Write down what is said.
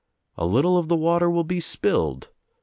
A little of the water will be spilled.